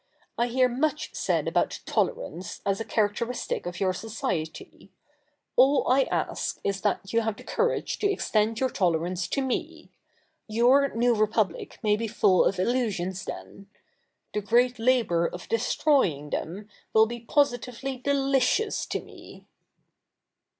I hear much said about tolerance, as a characteristic of your society. All I ask is, that you have the courage to extend your tolerance to me. Your New Republic may be full of illusions then. The great labour of destroying them will be positively delicious to me.'